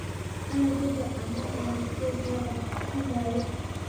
آیا دوی د عامه ټرانسپورټ وده نه غواړي؟